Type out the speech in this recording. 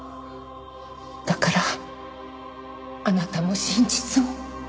だからあなたも真実を。